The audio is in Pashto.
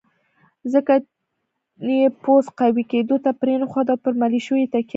ځکه یې پوځ قوي کېدو ته پرېنښود او پر ملېشو یې تکیه وکړه.